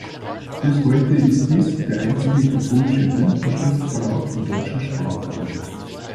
Bis heute ist dies der einzige katholische Blindenschrift-Verlag im deutschen Sprachraum.